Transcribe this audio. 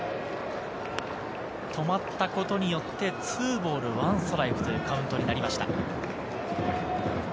止まったことによって２ボール１ストライクというカウントになりました。